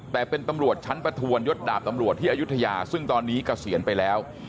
แต่เป็นตำรวจชั้นประทวนยศดาบตำรวจที่อายุทยาซึ่งตอนนี้เกษียณไปแล้ว